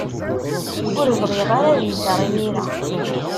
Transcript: Ur bɣiɣ ara ad mmteɣ imir-a.